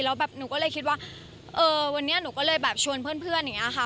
แล้วแบบหนูก็เลยคิดว่าเออวันนี้หนูก็เลยแบบชวนเพื่อนอย่างนี้ค่ะ